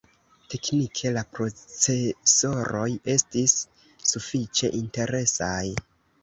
Teknike la procesoroj estis sufiĉe interesaj.